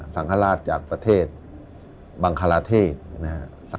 สังฆราชจากประเทศบังคลาเทศนะครับ